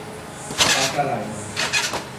Pacaraima